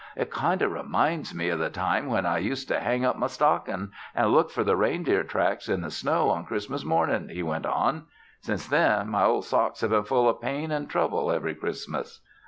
"It kind o' reminds me o' the time when I used to hang up my stockin' an' look for the reindeer tracks in the snow on Christmas mornin'," he went on. "Since then, my ol' socks have been full o' pain an' trouble every Christmas."